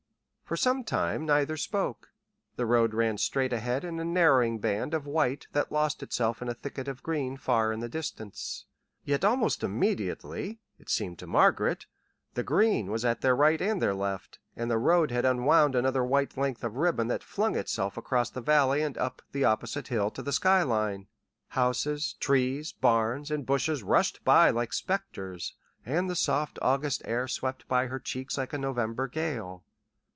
For some time neither spoke. The road ran straight ahead in a narrowing band of white that lost itself in a thicket of green far in the distance. Yet almost immediately it seemed to Margaret the green was at their right and their left, and the road had unwound another white length of ribbon that flung itself across the valley and up the opposite hill to the sky line. Houses, trees, barns, and bushes rushed by like specters, and the soft August air swept by her cheeks like a November gale.